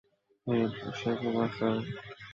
সে বোবা, স্যার।